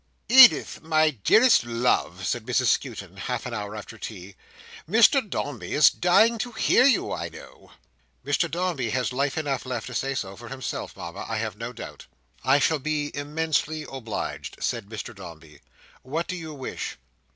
"Edith, my dearest love," said Mrs Skewton, half an hour after tea, "Mr Dombey is dying to hear you, I know." "Mr Dombey has life enough left to say so for himself, Mama, I have no doubt." "I shall be immensely obliged," said Mr Dombey. "What do you wish?"